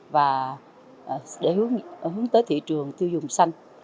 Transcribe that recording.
và để hướng tới thị trường tiêu dùng sân